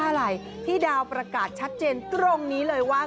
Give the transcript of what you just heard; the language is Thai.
อะไรพี่ดาวประกาศชัดเจนตรงนี้เลยว่า